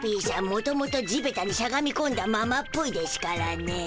もともと地べたにしゃがみこんだままっぽいでしゅからね。